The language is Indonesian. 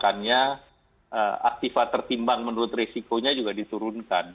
bukannya aktifat tertimbang menurut risikonya juga diturunkan